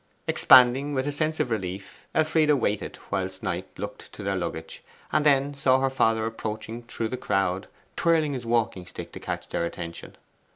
Expanding with a sense of relief, Elfride waited whilst Knight looked to their luggage, and then saw her father approaching through the crowd, twirling his walking stick to catch their attention.